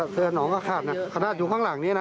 อ๋อเสื้อน้องก็ขาดนะขนาดอยู่ข้างหลังนี้นะ